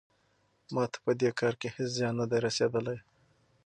ما ته په دې کار کې هیڅ زیان نه دی رسیدلی.